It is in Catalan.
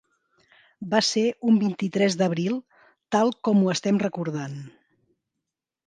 Va ser un vint-i-tres d'abril tal com ho estem recordant.